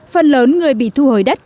phần lớn người bị thu hồi đất